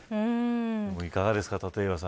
いかがですか、立岩さん。